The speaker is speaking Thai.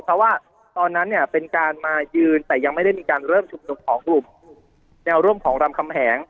เพราะว่าตอนนั้นเนี่ยเป็นการมายืนแต่ยังไม่ได้มีการเริ่มชุมนุมของกลุ่มแนวร่วมของรำคำแหง